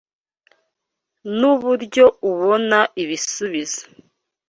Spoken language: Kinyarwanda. Nuburyo ubona ibisubizo.